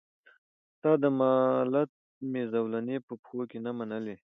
ستا د مالت مي زولنې په پښو کي نه منلې